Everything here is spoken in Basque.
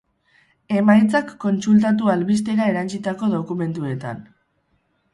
Emaitzak kontsultatu albistera erantsitako dokumentuetan.